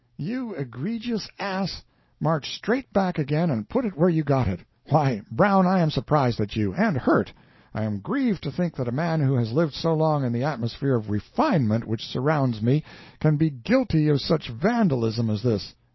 "You egregious ass! March straight back again and put it where you got it. Why, Brown, I am surprised at you—and hurt. I am grieved to think that a man who has lived so long in the atmosphere of refinement which surrounds me can be guilty of such vandalism as this.